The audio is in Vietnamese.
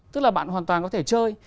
tức là bạn hoàn toàn có thể chơi